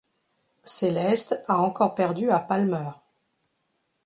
Celeste a encore perdu à Palmer.